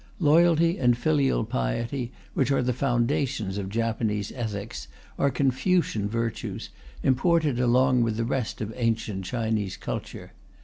Loyalty and filial piety, which are the foundations of Japanese ethics, are Confucian virtues, imported along with the rest of ancient Chinese culture.